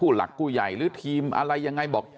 ผู้ลักผู้ใหญ่หรือทีมอะไรอย่างไร